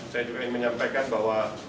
saya juga ingin menyampaikan bahwa